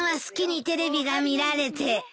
好きにテレビが見られて。